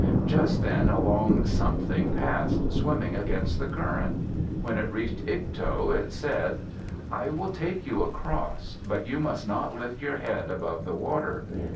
Just then a long Something passed, swimming against the current. When it reached Ikto, it said, "I will take you across, but you must not lift your head above the water.